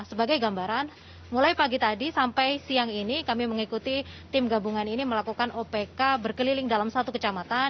sebagai gambaran mulai pagi tadi sampai siang ini kami mengikuti tim gabungan ini melakukan opk berkeliling dalam satu kecamatan